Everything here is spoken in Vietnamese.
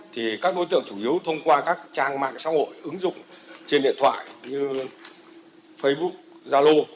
thì các đối tượng chủ yếu thông qua các trang mạng xã hội ứng dụng trên điện thoại như facebook zalo